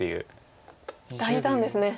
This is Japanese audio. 大胆ですね。